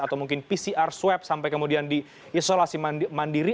atau mungkin pcr swab sampai kemudian di isolasi mandiri